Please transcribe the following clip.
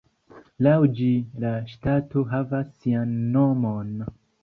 Laŭ ĝi la ŝtato havas sian nomon.